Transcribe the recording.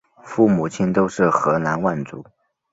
父母亲都是河南望族。